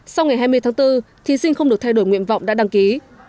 sau ngày hai mươi tháng bốn thí sinh không được thay đổi nguyện vọng đã đăng ký